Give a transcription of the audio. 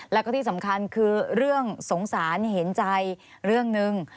แล้วก็ที่สำคัญคือเรื่องสงสารเห็นใจเรื่องหนึ่ง